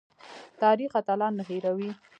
تاریخ اتلان نه هیروي